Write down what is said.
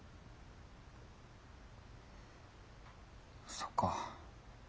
そっか。